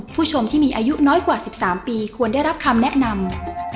ผู้ชมที่มีอายุน้อยกว่า๑๓ปีควรได้รับคำแนะนำ